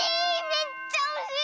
めっちゃおしい！